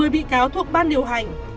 một mươi bị cáo thuộc ban điều hành